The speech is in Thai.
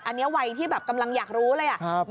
อันนี้วัยที่แบบกำลังอยากรู้เลย